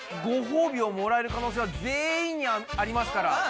ごほうびをもらえる可能性は全員にありますから。